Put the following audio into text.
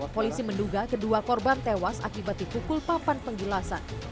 polisi menduga kedua korban tewas akibat dipukul papan penggilasan